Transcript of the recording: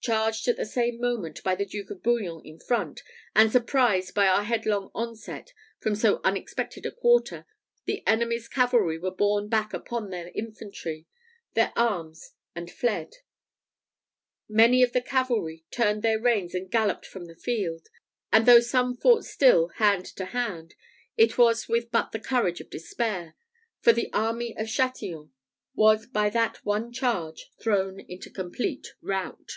Charged at the same moment by the Duke of Bouillon in front, and surprised by our headlong onset from so unexpected a quarter, the enemy's cavalry were borne back upon their infantry, their arms and fled; many of the cavalry turned their reins and galloped from the field; and though some fought still hand to hand, it was with but the courage of despair; for the army of Chatillon was by that one charge thrown into complete rout.